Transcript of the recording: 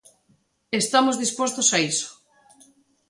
Estamos dispostos a iso.